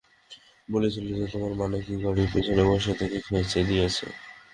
বলেছিল যে, তোর মা নাকি গাড়ির পিছনে বসিয়ে তাকে খেচে দিয়েছে।